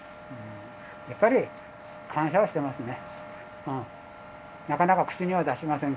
やっぱり感謝はしてますね。